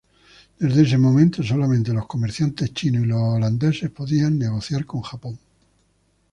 Desde ese momento, solamente los comerciantes chinos y los neerlandeses podían negociar con Japón.